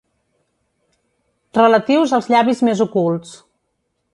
Relatius als llavis més ocults.